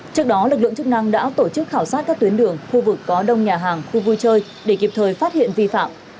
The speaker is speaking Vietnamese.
trước đó lực lượng chức năng đã tổ chức khảo sát các tuyến đường khu vực có đông nhà hàng khu vui chơi để kịp thời phát hiện vi phạm